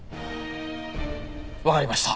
わかりました。